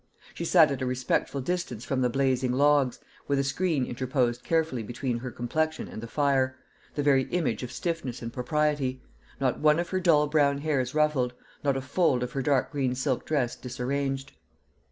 She sat at a respectful distance from the blazing logs, with a screen interposed carefully between her complexion and the fire, the very image of stiffness and propriety; not one of her dull brown hairs ruffled, not a fold of her dark green silk dress disarranged.